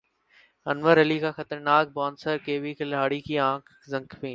انور علی کا خطرناک bouncer Kiwi کھلاڑی کی نکھ زخمی